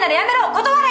断れ！」